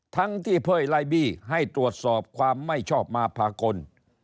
ทั้งที่เพื่อไล่บี้ให้ตรวจสอบความไม่ชอบมาพากล